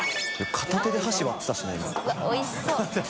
片手で箸割ってたしな今。